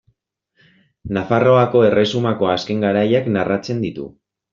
Nafarroako erresumako azken garaiak narratzen ditu.